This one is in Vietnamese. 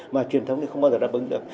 mà truyền thống thì không bao giờ đáp ứng được